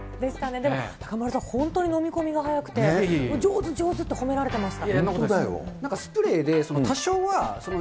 でも、中丸さん、本当に飲み込みが早くて、上手、上手って褒められてました。